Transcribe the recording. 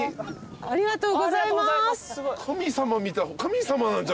ありがとうございます。